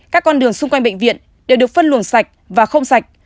các con đường xung quanh bệnh viện đều được phân luồng sạch và không sạch